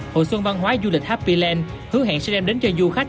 hội xuân văn hóa du lịch happy land hứa hẹn sẽ đem đến cho du khách